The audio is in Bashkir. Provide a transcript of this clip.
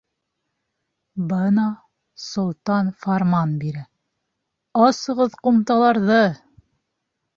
Бына солтан фарман бирә: «Асығыҙ ҡумталарҙы!»